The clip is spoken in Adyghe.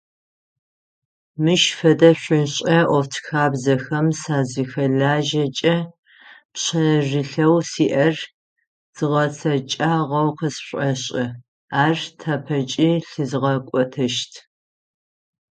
Мыщ фэдэ шӏушӏэ ӏофтхьабзэхэм сазыхэлажьэкӏэ пшъэрылъэу сиӏэр згъэцэкӏагъэу къысшӏошӏы, ар тапэкӏи лъызгъэкӏотэщт.